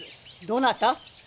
どなた？